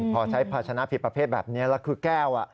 พอใช้ภาชนะผิดประเภทแบบนี้แล้วคือแก้ว